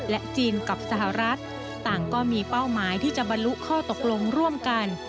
จีนกับสหรัฐต่างก็มีเป้าหมายที่จะบรรลุข้อตกลงร่วมกัน